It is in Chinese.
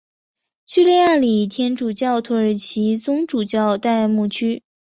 叙利亚礼天主教土耳其宗主教代牧区。